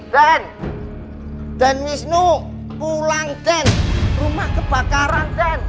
den den misnu pulang den rumah kebakaran den